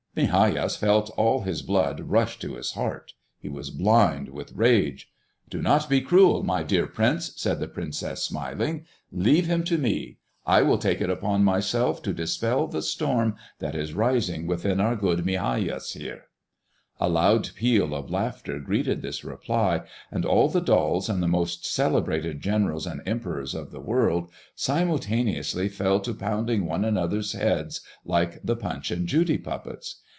Migajas felt all his blood rush to his heart. He was blind with rage. "Do not be cruel, my dear prince," said the princess, smiling; "leave him to me. I will take it upon myself to dispel the storm that is rising within our good Migajas here." A loud peal of laughter greeted this reply, and all the dolls, and the most celebrated generals and emperors of the world, simultaneously fell to pounding one another's heads like the Punch and Judy puppets.